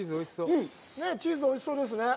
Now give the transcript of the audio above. チーズ、おいしそうですね。